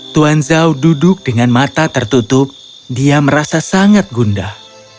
tuan zhao duduk dengan mata tertutup dia merasa sangat gundah